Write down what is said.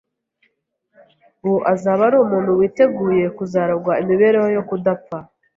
uwo azaba ari umuntu witeguye kuzaragwa imibereho yo kudapfa